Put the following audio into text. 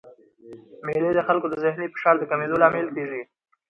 مېلې د خلکو د ذهني فشار د کمېدو لامل کېږي.